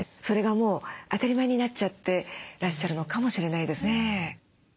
それがもう当たり前になっちゃってらっしゃるのかもしれないですね。